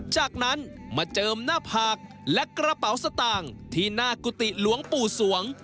จากนั้นมาเจิมหน้าผากและกระเป๋าสตางค์ที่หน้ากุฏิหลวงปู่สวง